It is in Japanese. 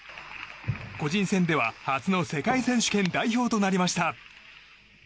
個人戦では初の世界選手権代表となりました。